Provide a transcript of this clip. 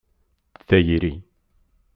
Tayri.